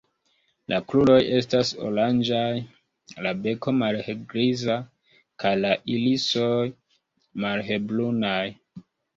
La kruroj estas oranĝaj, la beko malhelgriza kaj la irisoj malhelbrunaj.